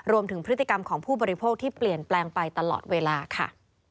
รวมถึงพฤติกรรมของผู้บริโภคที่เปลี่ยนแปลงไปตลอดเวลาค่ะ